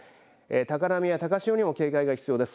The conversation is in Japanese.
高波や高潮にも警戒が必要です。